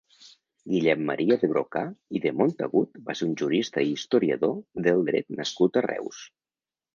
Guillem Maria de Brocà i de Montagut va ser un jurista i historiador del dret nascut a Reus.